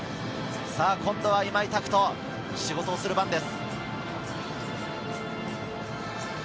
今度は今井拓人、仕事をする番です。